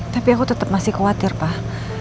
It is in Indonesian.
tapi aku tetap masih khawatir pak